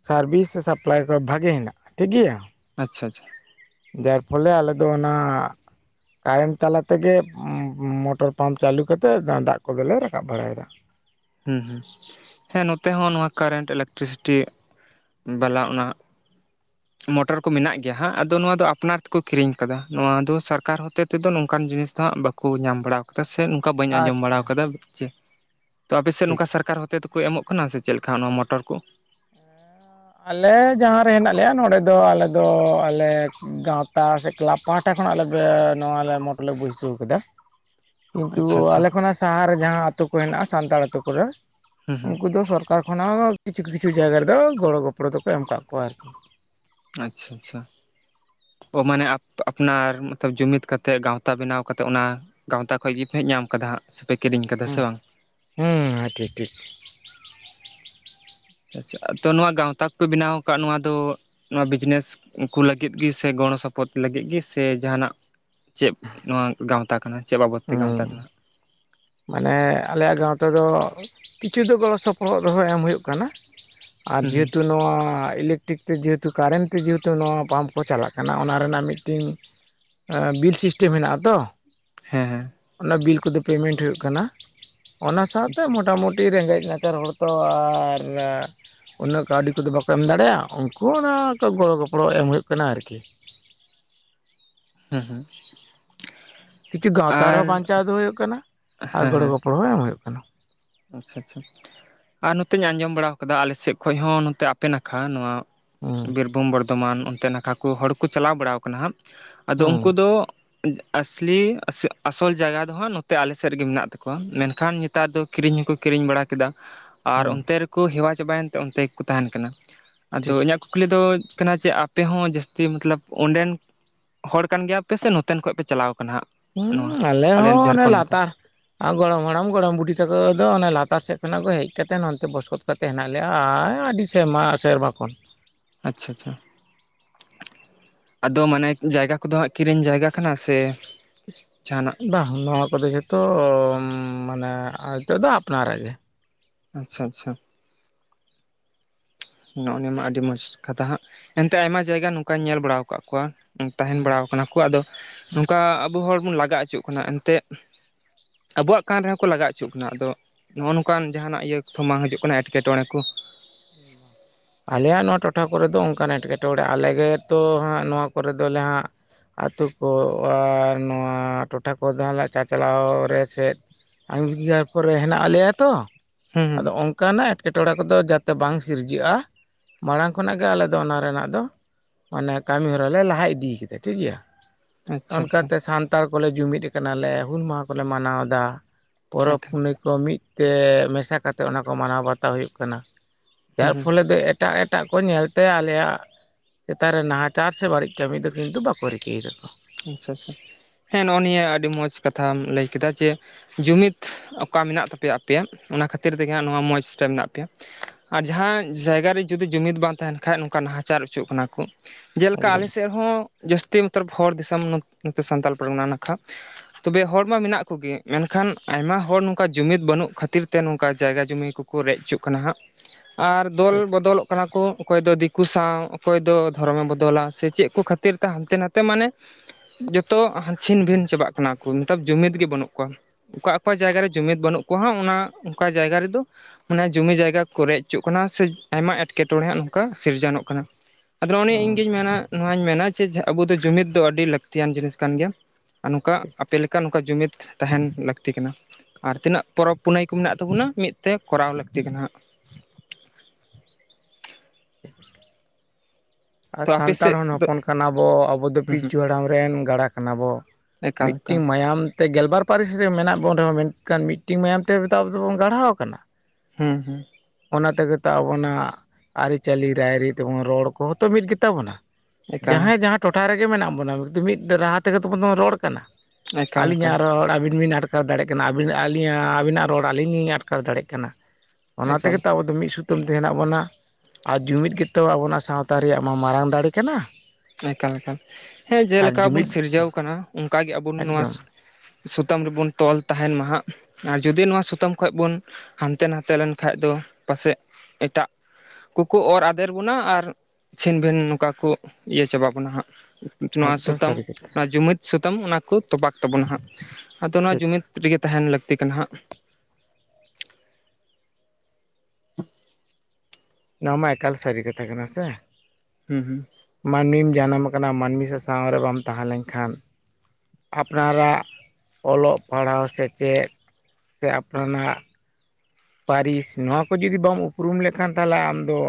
Speaker 2: ᱥᱟᱨᱵᱷᱤᱥ ᱥᱮ ᱥᱟᱯᱞᱟᱭ ᱠᱚ ᱵᱷᱟᱜᱮ ᱦᱮᱱᱟᱜᱼᱟ ᱴᱷᱤᱠ ᱜᱮᱭᱟ ᱾
Speaker 1: ᱟᱪᱪᱷᱟ ᱟᱪᱷᱟ᱾
Speaker 2: ᱡᱟᱨ ᱯᱷᱚᱞᱮ ᱟᱞᱮ ᱫᱚ ᱚᱱᱟ ᱠᱟᱨᱮᱱᱴ ᱛᱟᱞᱟ ᱛᱮᱜᱮ ᱢᱚ ᱢᱚᱴᱚᱨ ᱯᱟᱢᱯ ᱪᱟᱹᱞᱩ ᱠᱟᱛᱮᱜ ᱫᱟᱜ ᱠᱚᱫᱚᱞᱮ ᱨᱟᱠᱟᱵ ᱵᱟᱲᱟᱭᱫᱟ ᱾
Speaker 1: ᱦᱩᱸ ᱦᱩᱸ, ᱦᱮᱸ ᱱᱚᱛᱮ ᱦᱚᱸ ᱱᱚᱣᱟ ᱠᱟᱨᱮᱱᱴ ᱤᱞᱮᱠᱴᱨᱤ ᱥᱤᱴᱤ ᱵᱟᱞᱟ ᱚᱱᱟ ᱢᱚᱴᱚᱨ ᱠᱚ ᱢᱮᱱᱟᱜ ᱜᱮᱭᱟ ᱦᱟᱸᱜ ᱟᱫᱚ ᱱᱚᱣᱟ ᱫᱚ ᱟᱯᱱᱟᱨ ᱛᱮᱠᱚ ᱠᱤᱨᱤᱧ ᱠᱟᱫᱟ, ᱱᱚᱣᱟ ᱫᱚ ᱥᱟᱨᱠᱟᱨ ᱦᱚᱛᱮ ᱛᱮᱫᱚ ᱱᱚᱝᱠᱟᱱ ᱡᱤᱱᱤᱥ ᱫᱚ ᱦᱟᱸᱜ ᱵᱟ ᱠᱩ ᱧᱟᱢ ᱵᱟᱲᱟ ᱟᱠᱟᱫᱟ ᱥᱮ ᱚᱝᱠᱟ ᱵᱟᱹᱧ ᱟᱸᱡᱚᱢ
Speaker 2: ᱟᱪᱪᱷᱟ
Speaker 1: ᱵᱟᱲᱟ ᱠᱟᱫᱟ ᱡᱮ ᱛᱚ ᱟᱯᱮᱥᱮᱫ
Speaker 2: ᱴᱷᱤᱠ
Speaker 1: ᱱᱚᱝᱠᱟ ᱥᱚᱨᱠᱟᱨ ᱦᱚᱛᱮ ᱛᱮᱠᱚ ᱮᱢᱚᱜ ᱠᱟᱱᱟ ᱥᱮ ᱪᱮᱫ ᱞᱮᱠᱟ ᱱᱚᱣᱟ ᱢᱚᱴᱚᱨ ᱠᱚ?
Speaker 2: ᱟᱞᱮ ᱡᱟᱦᱟᱸ ᱨᱮ ᱦᱮᱸᱱᱟᱜ ᱞᱮᱭᱟ ᱱᱚᱸᱰᱮ ᱫᱚ ᱟᱞᱮ ᱫᱚ ᱟᱞᱮ ᱜᱟᱶᱛᱟ ᱥᱮ ᱠᱞᱟᱵᱽ ᱯᱟᱦᱟᱴᱟ ᱠᱷᱚᱱᱟ ᱟᱞᱮ ᱜᱟᱹ ᱱᱚᱣᱟ ᱞᱮ ᱢᱚᱴ ᱞᱮ ᱵᱟᱹᱭᱥᱟᱹᱣ ᱠᱟᱫᱟ ᱾ ᱠᱤᱱᱛᱩ
Speaker 1: ᱟᱪᱪᱷᱟ ᱟᱪᱪᱷᱟ
Speaker 2: ᱟᱞᱮ ᱠᱷᱚᱱᱟᱜ ᱥᱟᱦᱟ ᱨᱮ ᱡᱟᱦᱟᱸ ᱟᱛᱩ ᱠᱚ ᱦᱮᱱᱟᱜᱼᱟ ᱥᱟᱱᱛᱟᱲ ᱟᱹᱛᱩ ᱠᱚᱨᱮ
Speaker 1: ᱦᱩᱸ ᱦᱩᱸ
Speaker 2: ᱩᱱᱠᱩ ᱫᱚ ᱥᱚᱨ ᱠᱟᱨ ᱠᱷᱚᱱᱟᱜ ᱦᱚᱸ ᱠᱤᱪᱷᱩ ᱠᱤᱪᱷᱩ ᱡᱟᱭᱜᱟ ᱨᱮᱫᱚ ᱜᱚᱲᱚ ᱜᱚᱯᱲᱚ ᱫᱚᱠᱚ ᱮᱢ ᱟᱠᱟᱫ ᱠᱚᱣᱟ ᱟᱨᱠᱤ ᱾
Speaker 1: ᱟᱪᱪᱷᱟ ᱟᱪᱪᱷᱟ᱾ ᱚ ᱢᱟᱱᱮ ᱟᱯᱱᱟᱨ ᱢᱟᱛᱚᱵ ᱡᱩᱢᱤᱫ ᱠᱟᱛᱮᱫ ᱜᱟᱶᱛᱟ ᱵᱮᱱᱟᱣ ᱠᱟᱛᱮᱫ ᱚᱱᱟ ᱜᱟᱶᱛᱟ ᱠᱷᱚᱡ ᱜᱮᱯᱮ ᱧᱟᱢ ᱟᱠᱟᱫᱟ ᱦᱟᱸᱜ ᱥᱮᱯᱮ ᱠᱤᱨᱤᱧ ᱠᱟᱫᱟ ᱥᱮ ᱵᱟᱝ?
Speaker 2: ᱦᱩᱸ ᱴᱷᱤᱠ ᱴᱷᱤᱠ᱾
Speaker 1: ᱟᱪᱪᱷᱟ ᱪᱷᱟ ᱛᱚ ᱱᱚᱣᱟ ᱜᱟᱶᱛᱟ ᱠᱚᱯᱮ ᱵᱮᱱᱟᱣ ᱟᱠᱟᱫ ᱱᱚᱣᱟ ᱫᱚ ᱱᱚᱣᱟ ᱵᱤᱡᱽᱱᱮᱥ ᱠᱩ ᱞᱟᱹᱜᱤᱫ ᱜᱮ ᱥᱮ ᱜᱚᱲᱚ ᱥᱚᱯᱚᱦᱚᱫ ᱞᱟᱹᱜᱤᱫ ᱜᱮ ᱥᱮ ᱡᱟᱸᱦᱟᱱᱟᱜ ᱪᱮᱫ ᱱᱚᱣᱟ ᱜᱟᱶᱛᱟ ᱠᱟᱱᱟ, ᱪᱮᱫ ᱵᱟᱵᱚᱫ ᱛᱮ
Speaker 2: ᱦᱮᱸ
Speaker 1: ᱜᱟᱶᱛᱟ ᱠᱟᱱᱟ?
Speaker 2: ᱢᱟᱱᱮ ᱟᱞᱮᱭᱟᱜ ᱜᱟᱶᱛᱟ ᱫᱚ ᱠᱤᱪᱷᱩ ᱫᱚ ᱜᱚᱲᱚ ᱥᱚᱯᱚᱦᱚᱫ ᱨᱮᱦᱚᱸ ᱮᱢ ᱦᱩᱭᱩᱜ ᱠᱟᱱᱟ, ᱟᱨ
Speaker 1: ᱦᱩᱸ ᱦᱩᱸ
Speaker 2: ᱡᱮᱦᱮᱛᱩ ᱱᱚᱣᱟ ᱤᱞᱮᱠᱴᱨᱤᱠ ᱛᱮ ᱡᱮᱦᱮᱛᱩ ᱠᱟᱨᱮᱱᱴ ᱛᱮ ᱡᱮᱦᱮᱛᱩ ᱱᱚᱣᱟ ᱯᱟᱢᱯ ᱠᱚ ᱪᱟᱞᱟᱜ ᱠᱟᱱᱟ, ᱚᱱᱟ ᱨᱮᱱᱟᱜ ᱢᱤᱫᱴᱤᱱ ᱵᱤᱞ ᱥᱤᱥᱴᱮᱢ ᱦᱮᱸᱱᱟᱜ ᱟᱛᱚ?
Speaker 1: ᱦᱮᱸ ᱦᱮᱸ᱾
Speaker 2: ᱚᱱᱟ ᱵᱤᱞ ᱠᱚᱫᱚ ᱯᱮᱢᱮᱱᱴ ᱦᱩᱭᱩᱜ ᱠᱟᱱᱟ, ᱚᱱᱟ ᱥᱟᱶᱛᱮ ᱢᱚᱴᱟ ᱢᱩ ᱴᱤ ᱨᱮᱸᱜᱮᱡ ᱱᱟᱪᱟᱨ ᱦᱚᱲᱛᱚ ᱟᱨ ᱩᱱᱟᱹᱜ ᱠᱟᱹᱣᱰᱤ ᱠᱚᱫᱚ ᱵᱟᱠᱚ ᱮᱢ ᱫᱟᱲᱮᱭᱟᱜ-ᱟ ᱩᱱᱠᱩ ᱚᱱᱟ ᱠᱚ ᱜᱚᱲᱚ ᱜᱚᱯᱚᱲᱚ ᱮᱢ ᱦᱩᱭᱩᱜ ᱠᱟᱱᱟ ᱟᱨᱠᱤ᱾
Speaker 1: ᱦᱩᱸ ᱦᱩᱸ᱾
Speaker 2: ᱠᱤᱪᱷᱩ ᱜᱟᱶᱛᱟ ᱨᱮᱦᱚᱸ ᱵᱟᱧᱪᱟᱣ ᱫᱚ ᱦᱩᱭᱩᱜ ᱠᱟᱱᱟ, ᱟᱨ
Speaker 1: ᱦᱮᱸ
Speaker 2: ᱜᱚᱲᱚ
Speaker 1: ᱦᱮᱸ
Speaker 2: ᱜᱚᱯᱚᱲ ᱦᱚᱸ ᱮᱢ ᱦᱩᱭᱩᱜ ᱠᱟᱱᱟ᱾
Speaker 1: ᱟᱪᱪᱷᱟ ᱟᱪᱪᱷᱟ ᱟᱨ ᱱᱚᱛᱮᱧ ᱟᱸᱡᱚᱢ ᱵᱟᱲᱟ ᱟᱠᱟᱫᱟ ᱟᱞᱮ ᱥᱮᱫ ᱠᱷᱚᱱ ᱦᱚᱸ ᱱᱚᱛᱮ ᱟᱯᱮ ᱱᱟᱠᱷᱟ ᱱᱚᱣᱟ
Speaker 2: ᱦᱩᱸ
Speaker 1: ᱵᱤᱨᱵᱷᱩᱢ ᱵᱚᱨᱫᱷᱚᱢᱟᱱ ᱚᱱᱛᱮ ᱱᱟᱠᱷᱟ ᱠᱚ ᱦᱚᱲ ᱠᱚ ᱪᱟᱞᱟᱣ ᱵᱟᱲ ᱟᱠᱟᱱᱟ ᱦᱟᱸᱜ ᱟᱫᱚ ᱩᱱᱠᱩ
Speaker 2: ᱦᱩᱸ
Speaker 1: ᱫᱚ ᱟᱥᱞᱤ ᱟᱥᱚ ᱟᱥᱚᱞ ᱡᱟᱭᱜᱟ ᱫᱚ ᱦᱟᱸᱜ ᱱᱚᱛᱮ ᱟᱞᱮᱥᱮᱫ ᱨᱮᱜᱮ ᱢᱮᱱᱟᱜ ᱛᱟᱠᱚᱣᱟ ᱢᱮᱱᱠᱷᱟᱱ ᱱᱮᱛᱟᱨ ᱫᱚ ᱠᱤᱨᱤᱧ ᱦᱚᱸᱠᱚ ᱠᱤᱨᱤᱧ ᱵᱟᱲᱟ ᱠᱮᱫᱟ, ᱟᱨ
Speaker 2: ᱦᱩᱸ
Speaker 1: ᱚᱱᱛᱮ ᱨᱮᱠᱚ ᱦᱮᱣᱟ ᱪᱟᱵᱟᱭᱮᱱ ᱛᱮ ᱚᱱᱛᱮ ᱜᱮᱠᱚ ᱛᱟᱸᱦᱮᱱ ᱠᱟᱱᱟ᱾ ᱟᱫᱚ
Speaker 2: ᱴᱷᱤᱠ
Speaker 1: ᱤᱧᱟᱹᱜ ᱠᱩᱠᱞᱤ ᱫᱚ ᱠᱟᱱᱟ ᱡᱮ ᱟᱯᱮ ᱦᱚᱸ ᱡᱟᱹᱥᱛᱤ ᱢᱚᱛᱞᱚᱵ ᱚᱸᱰᱮᱱ ᱦᱚᱲ ᱠᱟᱱ ᱜᱮᱭᱟ ᱯᱮ ᱥᱮ ᱱᱚᱛᱮᱱ ᱠᱷᱚᱱ ᱯᱮ ᱪᱟᱞᱟᱣ ᱠᱟᱱᱟ ᱦᱟᱸᱜ? ᱱᱚᱣᱟ
Speaker 2: ᱦᱩᱸ ᱟᱞᱮ ᱦᱚᱸ ᱚᱱᱮ
Speaker 1: ᱡᱷᱟᱲᱠᱷᱚᱸᱰ ᱱᱟᱠᱷᱟ
Speaker 2: ᱞᱟᱛᱟᱨ ᱟ ᱜᱚᱲᱚᱢ ᱦᱟᱲᱟᱢ ᱜᱚᱲᱚᱢ ᱵᱩᱰᱷᱤ ᱛᱟᱠᱚ ᱫᱚ ᱞᱟᱛᱟᱨ ᱥᱮᱫ ᱠᱷᱚᱱᱟᱜ ᱠᱚ ᱦᱮᱡ ᱠᱟᱛᱮ ᱱᱚᱛᱮ ᱵᱚᱥᱚᱛ ᱠᱟ ᱛᱮ ᱦᱮᱸᱱᱟᱜ ᱞᱮᱭᱟ ᱟᱨ ᱟᱹᱰᱤ ᱥᱮᱨᱢᱟ ᱥᱮᱨᱢᱟ ᱠᱷᱚᱱ᱾
Speaker 1: ᱟᱪᱪᱷᱟ ᱟᱪᱪᱷᱟ ᱟᱫᱚ ᱢᱟᱱᱮ ᱡᱟᱭᱜᱟ ᱠᱚᱫᱚ ᱦᱟᱸᱜ ᱠᱤᱨᱤᱧ ᱡᱟᱭᱜᱟ ᱠᱟᱱᱟ ᱥᱮ ᱡᱟᱦᱟᱱᱟᱜ
Speaker 2: ᱵᱟᱦ ᱱᱚᱣᱟ ᱠᱚᱫᱚ ᱡᱷᱚᱛᱚ ᱢᱟᱱᱮ ᱱᱤᱛᱚᱜ ᱫᱚ ᱟᱯᱱᱟᱨᱟᱜ ᱜᱮ᱾
Speaker 1: ᱟᱪᱪᱷᱟ ᱟᱪᱪᱷᱟ᱾ ᱱᱚᱜᱼᱚ ᱱᱤᱭᱟᱹ ᱢᱟ ᱟᱹᱰᱤ ᱢᱚᱸᱡ ᱠᱟᱛᱷᱟ ᱦᱟᱸᱜ ᱮᱱᱛᱮᱜ ᱟᱭᱢᱟ ᱡᱟᱭᱜᱟ ᱱᱚᱝᱠᱟᱧ ᱧᱮᱞ ᱵᱟᱲᱟ ᱟᱠᱟᱜ ᱠᱚᱣᱟ ᱛᱟᱸᱦᱮᱱ
Speaker 2: ᱦᱩᱸ
Speaker 1: ᱵᱟᱲᱟ ᱠᱟᱱᱟ ᱠᱚ, ᱟᱫᱚ ᱱᱚᱝᱠᱟ ᱟᱵᱚ ᱦᱚᱲ ᱵᱚᱱ ᱞᱟᱜᱟ ᱦᱚᱪᱚᱜ ᱠᱟᱱᱟ ᱮᱱᱛᱮᱜ ᱟᱵᱚᱣᱟᱜ ᱠᱟᱱ ᱨᱮᱦᱚᱸ ᱠᱚ ᱞᱟᱜᱟ ᱦᱚᱪᱚᱜ ᱠᱟᱱᱟ, ᱟᱫᱚ ᱱᱚᱜ-ᱚ ᱱᱚᱝᱠᱟᱱ ᱡᱟᱸᱦᱟᱱᱟᱜ ᱤᱭᱟᱹ ᱠᱚᱦᱚᱸ ᱵᱟᱝ ᱦᱤᱡᱩᱜ ᱠᱟᱱᱟ ᱮᱴᱠᱮ ᱴᱚᱬᱮ ᱠᱚ᱾
Speaker 2: ᱩᱸ ᱵᱟᱝ᱾ ᱟᱞᱮᱭᱟᱜ ᱱᱚᱣᱟ ᱴᱚᱴᱷᱟ ᱠᱚ ᱨᱮ ᱫᱚ ᱚᱱᱠᱱᱟᱜ ᱮᱸᱴᱠᱮᱴᱚᱬᱮ ᱟᱞᱮ ᱜᱮᱛᱚ ᱦᱟᱸᱜ ᱱᱚᱣᱟ ᱠᱚᱨᱮ ᱫᱚᱞᱮ ᱦᱟᱸᱜ ᱟᱹᱛᱩ ᱠᱚ ᱟᱨ ᱱᱚᱣᱟ ᱴᱚᱴᱷᱟ ᱠᱚ ᱪᱟ-ᱪᱟᱞᱟᱣ ᱨᱮ ᱥᱮᱫ ᱟᱝᱜᱤ [unintelligible] ᱠᱚᱨᱮ ᱦᱮᱱᱟᱜ ᱞᱮᱭᱟ ᱛᱚ
Speaker 1: ᱦᱩᱸ ᱦᱩᱸ
Speaker 2: ᱟᱫᱚ ᱚᱱᱠᱟᱱᱟᱜ ᱮᱴᱠᱮ ᱴᱚᱬᱮ ᱠᱚᱫᱚ ᱡᱟ ᱛᱮ ᱵᱟᱝ ᱥᱤᱨᱡᱟᱹᱜ-ᱟ ᱢᱟᱲᱟᱝ ᱠᱷᱚᱱᱟᱜ ᱜᱮ ᱟᱞᱮ ᱫᱚ ᱚᱱᱟ ᱨᱮᱱᱟᱜ ᱫᱚ ᱢᱟᱱᱮ ᱠᱟᱹᱢᱤ ᱦᱚᱨᱟᱞᱮ ᱞᱟᱦᱟ ᱤᱫᱤ ᱠᱮᱫᱟ ᱴᱷᱤᱠᱜᱮᱭᱟ᱾
Speaker 1: ᱟᱪᱪᱷᱟ
Speaker 2: ᱚᱱᱠᱟ
Speaker 1: ᱟᱪᱪᱷᱟ
Speaker 2: ᱛᱮ ᱥᱟᱱᱛᱟᱲ ᱠᱚᱞᱮ ᱡᱩᱢᱤᱫ ᱠᱟᱱᱟᱞᱮ ᱦᱩᱞ ᱢᱟᱦᱟ ᱠᱚᱞᱮ ᱢᱟᱱᱟᱣᱫᱟ᱾ ᱯᱚᱨᱚᱵᱽ
Speaker 1: ᱮᱠᱷᱟᱱ
Speaker 2: ᱯᱩᱱᱟᱹᱭ ᱠᱚ ᱢᱤᱫ ᱛᱮ ᱢᱮᱥᱟ ᱠᱟᱛᱮᱫ ᱚᱱᱟ ᱠᱚ ᱢᱟᱱᱟᱣ ᱵᱟᱛᱟᱣ ᱦᱩᱭᱩᱜ ᱠᱟᱱᱟ᱾
Speaker 1: ᱦᱩᱸ
Speaker 2: ᱡᱟᱨ
Speaker 1: ᱦᱩᱸ
Speaker 2: ᱯᱷᱚᱞᱮ ᱫᱚ ᱮᱴᱟᱜ ᱮᱴᱟᱜ ᱠᱚ ᱧᱮᱞᱛᱮ ᱟᱞᱮᱭᱟᱜ ᱪᱮᱛᱟᱱ ᱨᱮ ᱱᱟᱦᱟᱪᱟᱨ ᱥᱮ ᱵᱟᱹᱲᱤᱡ ᱠᱟᱹᱢᱤ ᱫᱚ ᱠᱤᱱᱛᱩ ᱵᱟᱠᱚ ᱨᱤᱠᱟᱹᱭ ᱫᱟᱠᱚ᱾
Speaker 1: ᱟᱪᱪᱷᱟ ᱟᱪᱪᱷᱟ, ᱦᱮᱸ ᱱᱚᱜ - ᱚ ᱱᱤᱭᱟᱹ ᱟᱹᱰᱤ ᱢᱚᱸᱡᱽ ᱠᱟᱛᱷᱟᱢ ᱞᱟᱹᱭ ᱠᱮᱫᱟ ᱡᱮ ᱡᱩᱢᱤᱫ ᱚᱠᱟ ᱢᱮᱱᱟᱜ ᱛᱟᱯᱮᱭᱟ ᱟᱯᱮᱭᱟᱜ ᱚᱱᱟ ᱠᱷᱟᱹᱛᱤᱨ ᱛᱮᱜᱮ ᱦᱟᱸᱜ ᱱᱚᱣᱟ ᱢᱚᱸᱡᱽ ᱨᱮ ᱢᱮᱱᱟᱜ ᱯᱮᱭᱟ᱾ ᱟᱨ ᱡᱟᱦᱟᱸ ᱡᱟᱭᱜᱟ ᱨᱮ ᱡᱩᱫᱤ ᱡᱩᱢᱤᱫ ᱵᱟᱝ ᱛᱟᱦᱮᱱ ᱠᱷᱟᱡ ᱱᱚᱝᱠᱟ ᱱᱟᱦᱟᱪᱟᱨ ᱦᱚᱪᱚᱜ ᱠᱟᱱᱟ ᱠᱚ᱾ ᱡᱮᱞᱮᱠᱟ
Speaker 2: ᱮᱠᱫᱚᱢ
Speaker 1: ᱟᱞᱮ ᱥᱮᱫ ᱨᱮᱦᱚᱸ ᱡᱟᱹᱥᱛᱤ ᱢᱚᱛᱞᱚᱵ ᱦᱚᱲ ᱫᱤᱥᱚᱢ ᱱᱚᱛᱮ ᱥᱟᱱᱛᱟᱲ ᱯᱟᱨᱜᱟᱱᱟ ᱱᱟᱠᱷᱟ ᱛᱚᱵᱮ ᱦᱚᱲᱢᱟ ᱢᱮᱱᱟᱜ ᱠᱚᱜᱮ ᱢᱮᱱᱠᱷᱟᱱ ᱟᱭᱢᱟ ᱦᱚᱲ ᱱᱚᱝᱠᱟ ᱡᱩᱢᱤᱫ ᱵᱟᱹᱱᱩᱜ ᱠᱷᱟᱹᱛᱤᱨ ᱛᱮ ᱱᱚᱝᱠᱟ ᱡᱟᱭᱜᱟ ᱡᱩᱢᱤ ᱠᱚ ᱨᱮᱡ ᱚᱪᱚᱜ ᱠᱟᱱᱟ ᱦᱟᱸᱜ ᱟᱨ ᱫᱚᱞ
Speaker 2: ᱴᱷᱤᱠ
Speaker 1: ᱵᱚᱫᱚᱞᱚᱜ ᱠᱟᱱᱟ ᱠᱚ ᱚᱠᱚᱭ ᱫᱚ ᱫᱤᱠᱩ ᱥᱟᱶ ᱚᱠᱚᱭ ᱫᱚ ᱫᱷᱚᱨᱚᱢᱮ ᱵᱚᱫᱚᱞᱟ ᱥᱮ ᱪᱮᱫ ᱠᱚ ᱠᱷᱟᱹᱛᱤᱨ ᱛᱮ ᱦᱟᱱᱛᱮ ᱱᱟ ᱛᱮ ᱢᱟᱱᱮ ᱡᱚᱛᱚ ᱪᱷᱤᱱ ᱵᱷᱤᱱ ᱪᱟᱵᱟᱜ ᱠᱟᱱᱟ ᱠᱚ ᱱᱮᱛᱟᱨ ᱡᱩᱢᱤᱫ ᱜᱮ ᱵᱟᱹᱱᱩᱜ ᱠᱚᱣᱟ᱾ ᱚᱠᱟ ᱚᱠᱟ ᱡᱟᱭᱜᱟ ᱨᱮ ᱡᱩᱢᱤᱫ ᱵᱟᱹᱱᱩᱜ ᱠᱚᱣᱟ ᱦᱟᱜ ᱚᱱᱟ ᱚᱱᱠᱟ ᱡᱟᱭᱜᱟ ᱨᱮᱫᱚ ᱢᱟᱱᱮ ᱡᱩᱢᱤ ᱡᱟᱭᱜᱟ ᱠᱚ ᱨᱮᱡ ᱚᱪᱚᱜ ᱠᱟᱱᱟ ᱥᱮ ᱟᱭᱢᱟ ᱮᱴᱠᱮᱴᱚᱬᱮ ᱱᱚᱝᱠᱟ ᱥᱤᱨᱡᱚᱱᱚᱜ ᱠᱟᱱᱟ᱾ ᱟᱫᱚ ᱚᱱᱮ ᱤᱧ
Speaker 2: ᱦᱩᱸ
Speaker 1: ᱜᱤᱧ ᱢᱮᱱᱟ ᱱᱚᱣᱟᱧ ᱢᱮᱱᱟ ᱡᱮ ᱟᱵᱚ ᱫᱚ ᱡᱩᱢᱤᱫ ᱫᱚ ᱟᱹᱰᱤ ᱞᱟᱹᱠᱛᱤᱭᱟᱱ ᱡᱤᱱᱤᱥ ᱠᱟᱱ ᱜᱮᱭᱟ᱾ ᱟᱨ ᱱᱚᱝᱠᱟ
Speaker 2: ᱴᱷᱤᱠ
Speaker 1: ᱟᱯᱮ ᱞᱮᱠᱟ ᱱᱚᱝᱠᱟ ᱡᱩᱢᱤᱫ ᱛᱟᱦᱮᱱ ᱞᱟᱹᱠᱛᱤ ᱠᱟᱱᱟ᱾ ᱟᱨ ᱛᱤᱱᱟᱹᱜ ᱯᱚᱨᱚᱵᱽ ᱯᱩᱱᱟᱹᱭ ᱠᱚ ᱢᱮᱱᱟᱜ ᱛᱟᱵᱚᱱᱟ ᱢᱤᱫ ᱛᱮ ᱠᱚᱨᱟᱣ ᱞᱟᱹᱠᱛᱤ ᱠᱟᱱᱟ ᱦᱟᱜ᱾
Speaker 2: [inaudible] ᱟᱨ
Speaker 1: ᱛᱚ ᱟᱯᱮ
Speaker 2: ᱥᱟᱱᱛᱟᱲ
Speaker 1: ᱥᱮᱫ
Speaker 2: ᱦᱚᱲ
Speaker 1: ᱫᱚ
Speaker 2: ᱦᱚᱯᱚᱱ ᱠᱟᱱᱟ ᱵᱚ ᱟᱵᱚ ᱫᱚ
Speaker 1: ᱦᱩᱸ ᱦᱩᱸ
Speaker 2: ᱯᱤᱞᱪᱩ ᱦᱟᱲᱟᱢ ᱨᱮᱱ ᱜᱟᱲᱟ ᱠᱟᱱᱟ ᱵᱚ᱾
Speaker 1: ᱮᱠᱟᱞ ᱮᱠᱟᱞ
Speaker 2: ᱢᱤᱫᱴᱤᱱ ᱢᱟᱭᱟᱢ ᱜᱮᱞᱵᱟᱨ ᱯᱟᱹᱨᱤᱥ ᱨᱮ ᱢᱮᱱᱟᱜ ᱵᱚᱱ ᱨᱮᱦᱚᱸ ᱢᱮᱱᱠᱷᱟᱱ ᱢᱤᱫᱴᱤᱝ ᱢᱟᱭᱟᱢ ᱛᱮ ᱟᱵᱚ ᱫᱚᱵᱚ ᱜᱟᱲᱦᱟᱣ ᱠᱟᱱᱟ᱾
Speaker 1: ᱦᱩᱸ ᱦᱩᱸ
Speaker 2: ᱚᱱᱟ ᱛᱮᱜᱮ ᱛᱚ ᱟᱵᱚᱱᱟᱜ ᱟᱹᱨᱤᱪᱟᱹᱞᱤ ᱨᱟᱭᱨᱤᱛ ᱛᱮᱵᱚᱱ ᱨᱚᱲ ᱠᱚᱦᱚᱸ ᱛᱚ ᱢᱤᱫ ᱜᱮᱛᱟ ᱵᱚᱱᱟ᱾
Speaker 1: ᱮᱠᱟᱞ
Speaker 2: ᱡᱟᱦᱟᱸᱭ ᱡᱟᱦᱟᱸ ᱴᱚᱴᱷᱟ ᱨᱮᱜᱮ ᱢᱮᱱᱟᱜ ᱵᱚᱱᱟ ᱢᱤᱫ ᱨᱟᱦᱟ ᱛᱮᱜᱮ ᱛᱚᱵᱚᱱ ᱨᱚᱲ ᱠᱟᱱᱟ᱾
Speaker 1: ᱮᱠᱟᱞ ᱮᱠᱟᱞ
Speaker 2: ᱟᱹᱞᱤᱧᱟᱜ ᱨᱚᱲ ᱟᱵᱤᱱ ᱵᱤᱱ ᱟ ᱟᱴᱠᱟᱨ ᱫᱟᱲᱮᱜ ᱠᱟᱱᱟ ᱟᱹᱵ ᱟᱹᱞᱤᱧ ᱟᱵᱤᱱᱟᱜ ᱨᱚᱲ ᱟᱞᱤᱧ ᱞᱤᱧ ᱟᱴᱠᱟᱨ ᱫᱟᱲᱮᱜ ᱠᱟᱱᱟ ᱚᱱᱟ
Speaker 1: ᱮᱠᱟᱞ
Speaker 2: ᱛᱮᱜᱮ ᱛᱚ ᱟᱵᱚ ᱫᱚ ᱢᱤᱫ ᱥᱩᱛ ᱧᱩᱛᱩᱢ ᱛᱮᱱᱟᱜ ᱵᱚᱱᱟ ᱟᱨ ᱡᱩᱢᱤᱫ ᱜᱮᱛᱚ ᱟᱵᱚᱱᱟᱜ ᱥᱟᱶᱛᱟ ᱨᱮᱭᱟᱜ ᱢᱟ ᱢᱟᱨᱟᱝ ᱫᱟᱲᱮ ᱠᱟᱱᱟ᱾
Speaker 1: ᱮᱠᱟᱞ ᱮᱠᱟᱠ ᱦᱮᱸ
Speaker 2: ᱟᱨ
Speaker 1: ᱡᱮᱞᱮᱠᱟ ᱵᱩᱱ
Speaker 2: ᱡᱩᱢᱤᱫ
Speaker 1: ᱥᱤᱨᱡᱟᱹᱣ ᱟᱠᱟᱱᱟ ᱚᱱᱠᱟᱜᱮ ᱟᱵᱚ ᱱᱚᱣᱟ
Speaker 2: ᱮᱠᱫᱚᱢ
Speaker 1: ᱥᱩᱛᱟᱹᱢ ᱨᱮᱵᱚᱱ ᱛᱚᱞ ᱛᱟᱦᱮᱱ ᱢᱟᱦᱟᱜ ᱟᱨ ᱡᱩᱫᱤ ᱱᱚᱣᱟ ᱥᱩᱛᱟᱹᱢ ᱠᱷᱚᱱ ᱵᱚᱱ ᱦᱟᱱᱛᱮ ᱱᱟᱛᱮ ᱞᱮᱱᱠᱷᱟᱡ ᱫᱚ ᱯᱟᱥᱮᱡ ᱮᱴᱟᱜ ᱠᱚᱠᱚ ᱚᱨ ᱟᱫᱮᱨ ᱵᱚᱱᱟ ᱟᱨ ᱪᱷᱤᱱ ᱵᱤᱱ ᱱᱚᱝᱠᱟ ᱠᱚ ᱤᱭᱟᱹ ᱪᱟᱵᱟ ᱵᱚᱱᱟ ᱦᱟᱸᱜ᱾ ᱱᱚᱣᱟ
Speaker 2: ᱮᱠᱫᱚᱢ
Speaker 1: ᱥᱩᱛᱟᱹᱢ
Speaker 2: ᱥᱟᱹᱨᱤ ᱠᱟᱛᱷᱟ
Speaker 1: ᱱᱚᱣᱟ ᱡᱩᱢᱤᱫ ᱥᱩᱛᱟᱹᱢ ᱚᱱᱟ ᱠᱚ ᱛᱚᱯᱟᱜ ᱛᱟᱵᱚᱱᱟ ᱦᱟᱸᱜ ᱟᱫᱚ ᱱᱚᱣᱟ
Speaker 2: ᱴᱷᱤᱠ
Speaker 1: ᱡᱩᱢᱤᱫ ᱨᱮᱜᱮ ᱛᱟᱦᱮᱱ ᱞᱟᱹᱠᱛᱤ ᱠᱟᱱᱟ ᱦᱟᱸᱜ᱾ [inaudible]
Speaker 2: ᱱᱚᱣᱟ ᱢᱟ ᱮᱠᱟᱞ ᱥᱟᱹᱨᱤ ᱠᱟᱛᱷᱟ ᱠᱟᱱᱟ ᱥᱮ᱾
Speaker 1: ᱦᱩᱸ ᱦᱩᱸ
Speaker 2: ᱢᱟᱹᱱᱢᱤᱢ ᱡᱟᱱᱟᱢ ᱠᱟᱱᱟ ᱢᱟᱹᱱᱢᱤ ᱥᱟᱜ ᱥᱟᱶ ᱨᱮ ᱵᱟᱢ ᱛᱟᱦᱮᱸ ᱞᱮᱱᱠᱷᱟᱱ ᱟᱯᱱᱟᱨᱟᱜ ᱚᱞᱚᱜ ᱯᱟᱲᱦᱟᱣ ᱥᱮᱪᱮᱫ ᱥᱮ ᱟᱯᱱᱟᱨᱟᱜ ᱯᱟᱹᱨᱤᱥ, ᱱᱚᱣᱟ ᱠᱚ ᱡᱩᱫᱤ ᱵᱟᱢ ᱩᱯᱨᱩᱢ ᱞᱮᱫᱠᱷᱟᱱ ᱛᱟᱦᱚᱞᱮ ᱟᱢ ᱫᱚ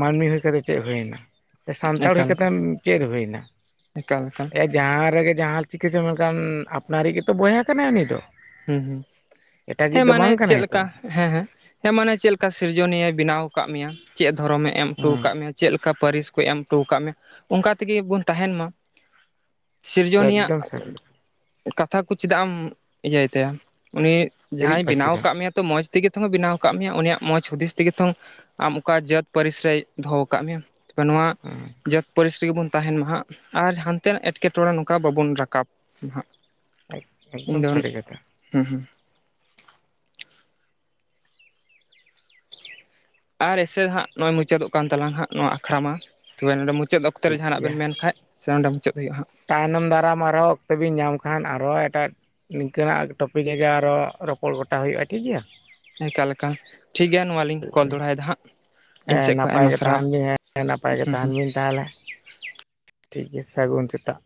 Speaker 2: ᱢᱟᱹᱱᱢᱤ ᱦᱩᱭ ᱠᱟᱛᱮ ᱪᱮᱫ ᱦᱩᱭᱱᱟ, ᱥᱮ ᱥᱟᱱᱛᱟᱲ ᱦᱩᱭ
Speaker 1: ᱮᱠᱟᱞ
Speaker 2: ᱠᱟᱛᱮ ᱪᱮᱫ ᱦᱩᱭᱱᱟ
Speaker 1: ᱮᱠᱟᱞ ᱮᱠᱟᱞ
Speaker 2: ᱮᱠ ᱡᱟᱦᱟᱸ ᱨᱮᱜᱮ ᱡᱟᱦᱟᱸ ᱪᱤᱠᱤ ᱪᱚ ᱢᱮᱱᱠᱷᱟᱱ ᱟᱯᱱᱟᱨᱤᱡ ᱜᱮᱛᱚ ᱵᱚᱭᱦᱟ ᱠᱟᱱᱟᱭ ᱩᱱᱤ ᱫᱚ᱾
Speaker 1: ᱦᱸ ᱦᱩᱸ,
Speaker 2: ᱮᱴᱟᱜᱤᱡ
Speaker 1: ᱦᱮᱸ
Speaker 2: ᱫᱚ
Speaker 1: ᱢᱟᱱᱮ
Speaker 2: ᱵᱟᱝ
Speaker 1: ᱪᱮᱫ
Speaker 2: ᱠᱟᱱᱟᱭ ᱛᱚ
Speaker 1: ᱞᱮᱠᱟ? ᱦᱮᱸ ᱦᱮᱸ, ᱦᱮᱸ ᱢᱟᱱᱮ ᱪᱮᱫ ᱞᱮᱠᱟ ᱥᱤᱨᱡᱚᱱᱤᱭᱟᱹ ᱵᱮᱱᱟᱣ ᱟᱠᱟᱫ ᱢᱮᱭᱟ ᱪᱮᱫ ᱫᱷᱚᱨᱚᱢᱮ ᱮᱢ ᱦᱚᱴᱚ
Speaker 2: ᱦᱮᱸ
Speaker 1: ᱠᱟᱜ ᱢᱮᱭᱟ ᱪᱮᱫ ᱞᱮᱠᱟ ᱯᱟᱹᱨᱤᱥ ᱠᱚ ᱮᱢ ᱦᱚᱴᱚ ᱠᱟᱜ ᱢᱮ ᱚᱱᱠᱟ ᱛᱮᱜᱮ ᱵᱚᱱ ᱛᱟᱦᱮᱱ ᱢᱟ᱾ ᱥᱤᱨᱡᱚᱱᱤᱭᱟᱜ
Speaker 2: ᱮᱠᱫᱚᱢ ᱥᱟᱹᱨᱤ ᱠᱟᱛᱷᱟ
Speaker 1: ᱠᱟᱛᱷᱟ ᱠᱚ ᱪᱮᱫᱟᱜ ᱮᱢ ᱤᱭᱟᱹᱭ ᱛᱟᱭᱟ ᱩᱱᱤ
Speaker 2: ᱦᱤᱨᱤᱡ
Speaker 1: ᱡᱟᱦᱟᱸᱭ ᱵᱮᱱᱟᱣ
Speaker 2: ᱯᱟᱹᱥᱤᱨᱟ
Speaker 1: ᱟᱠᱟᱫ ᱢᱮᱭᱟ ᱛᱚ ᱢᱚᱸᱡᱽ ᱛᱮᱜᱮ ᱛᱮᱦᱚᱸ ᱵᱮᱱᱟᱣ ᱟᱠᱟᱫ ᱢᱮᱭᱟ ᱩᱱᱤᱭᱟᱜ ᱢᱚᱸᱡᱽ ᱦᱩᱫᱤᱥ ᱛᱮᱜᱮ ᱛᱚ ᱟᱢ ᱚᱠᱟ ᱡᱟᱹᱛ ᱯᱟᱹᱨᱤᱥ ᱨᱮᱭ ᱫᱚᱦᱚ ᱠᱟᱜ ᱢᱮᱭᱟ ᱛᱚᱵᱮ ᱱᱚᱣᱟ ᱡᱟᱹᱛ ᱯᱟᱹᱨᱤᱥ ᱨᱮᱜᱮ ᱵᱚᱱ ᱛᱟᱦᱮᱸᱱ ᱢᱟᱦᱟᱸᱜ ᱟᱨ ᱦᱟᱸᱱᱛᱮ ᱱᱟᱜ ᱮᱸᱴᱠᱮᱴᱚᱬᱮ ᱱᱚᱝᱠᱟ ᱵᱟᱵᱚᱱ ᱨᱟᱠᱟᱵ ᱱᱟᱦᱟᱜ᱾
Speaker 2: ᱮᱠ ᱮᱠᱫᱚᱢ ᱥᱟᱹᱨᱤ ᱠᱟᱛᱷᱟ᱾
Speaker 1: ᱦᱩᱸ ᱦᱩᱸ ᱟᱨ ᱮᱥᱮ ᱦᱟᱸᱜ ᱱᱚᱜ-ᱚᱭ ᱢᱩᱪᱟᱹᱫᱚᱜ ᱠᱟᱱ ᱛᱟᱞᱟᱝ ᱦᱟᱸᱜ ᱱᱚᱣᱟ ᱟᱠᱷᱲᱟ ᱢᱟ᱾ ᱛᱚᱵᱮ ᱱᱚᱰᱮ ᱢᱩᱪᱟᱹᱫ ᱚᱠ ᱚᱠᱛᱮ ᱨᱮ
Speaker 2: ᱴᱷᱤᱠ
Speaker 1: ᱡᱟᱦᱟᱸᱱᱟᱜ
Speaker 2: ᱜᱮᱭᱟ
Speaker 1: ᱵᱮᱱ ᱢᱮᱱᱠᱷᱟᱡ ᱥᱮ ᱚᱸᱰᱮ ᱢᱩᱪᱟᱹᱫ ᱦᱩᱭᱩᱜ-ᱟ ᱦᱟᱸᱜ᱾
Speaker 2: ᱛᱟᱭᱱᱚᱢ ᱫᱟᱨᱟᱢ ᱟᱨᱦᱚᱸ ᱚᱠᱛᱮ ᱵᱤᱱ ᱧᱟᱢ ᱠᱷᱟᱱ ᱟᱨᱦᱚᱸ ᱮᱴᱟᱜ ᱱᱤᱝᱠᱟᱹᱱᱟᱜ ᱟᱨ ᱴᱚᱯᱤᱠ ᱨᱮᱜᱮ ᱟᱨᱚ ᱨᱚᱯᱚᱲ ᱜᱚᱴᱟ ᱦᱩᱭᱩᱜ-ᱟ ᱴᱷᱤᱠ ᱜᱮᱭᱟ᱾
Speaker 1: ᱮᱠᱟᱞ ᱮᱠᱟᱞ ᱴᱷᱤᱠ ᱜᱮᱭᱟ ᱱᱚᱣᱟ ᱞᱤᱧ ᱠᱚᱞ ᱫᱚᱲᱦᱟᱭ ᱫᱟ ᱦᱟᱸᱜ᱾ ᱤᱧ
Speaker 2: ᱦᱮᱸ
Speaker 1: ᱥᱮᱫ ᱠᱷᱚᱡ
Speaker 2: ᱱᱟᱯᱟᱭ
Speaker 1: ᱟᱭᱢᱟ
Speaker 2: ᱜᱮ
Speaker 1: ᱥᱟᱨᱦᱟᱣ
Speaker 2: ᱛᱟᱦᱮᱱ ᱵᱤᱱ ᱦᱮᱸ ᱱᱟᱯᱟᱭ ᱜᱮ
Speaker 1: ᱦᱩᱸ ᱦᱩᱸ
Speaker 2: ᱛᱟᱦᱮᱱ ᱵᱤᱱ ᱛᱟᱦᱚᱞᱮ᱾ ᱴᱷᱤᱠ ᱜᱮᱭᱟ ᱥᱟᱹᱜᱩᱱ ᱥᱮᱛᱟᱜ,